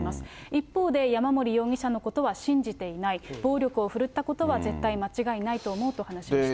一方で、山森容疑者のことは信じていない、暴力を振るったことは絶対間違いないと思うと話していました。